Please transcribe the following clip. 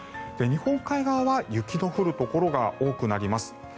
日本海側は雪の降るところが多くなります。